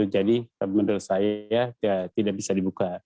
jadi menurut saya tidak bisa dibuka